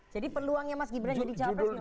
jadi peluangnya mas gibran jadi cawapres gimana